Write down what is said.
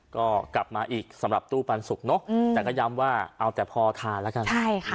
ก็กลับมาอีกสำหรับตู้ปันสุกเนอะแต่ก็ย้ำว่าเอาแต่พอทานแล้วกัน